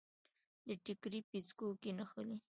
د ټیکري پیڅکو کې نښلي